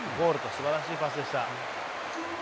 すばらしいパスでした。